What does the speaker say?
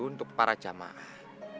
untuk para jamaah